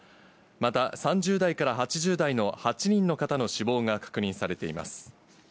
また、３０代から８０代の８人の方の死亡が確認されています。